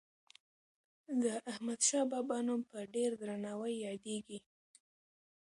د احمدشاه بابا نوم په ډېر درناوي یادیږي.